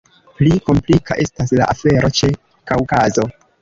Pli komplika estas la afero ĉe Kaŭkazo.